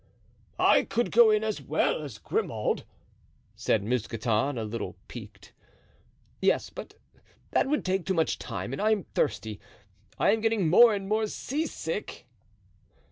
"I could go in as well as Grimaud," said Mousqueton, a little piqued. "Yes, but that would take too much time and I am thirsty. I am getting more and more seasick."